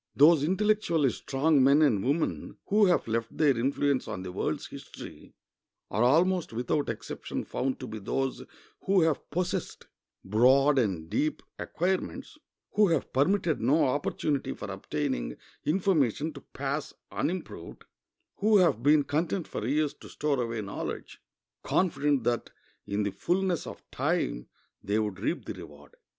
Those intellectually strong men and women who have left their influence on the world's history are almost without exception found to be those who have possessed broad and deep acquirements; who have permitted no opportunity for obtaining information to pass unimproved; who have been content for years to store away knowledge, confident that in the fullness of time they would reap the reward.